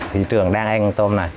thị trường đang ăn tôm này